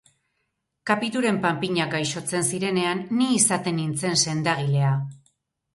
Capituren panpinak gaixotzen zirenean, ni izaten nintzen sendagilea.